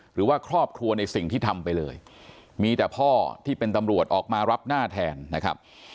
หรือว่าครอบครัวในสิ่งที่ทำไปเลยมีแต่พ่อที่เป็นตำรวจออกมารับหน้าแทนนะครับ